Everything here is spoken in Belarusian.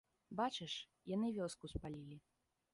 Бачыш, яны вёску спалілі.